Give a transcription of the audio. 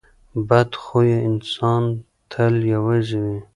بد خویه انسان تل یوازې وي.